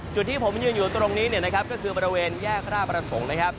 จุดที่ผมยืนอยู่ตรงนี้ก็คือบริเวณแยกร่าบประสงค์